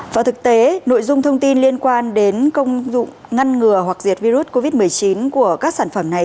và thực tế nội dung thông tin liên quan đến công dụng ngăn ngừa hoặc diệt virus covid một mươi chín của các sản phẩm này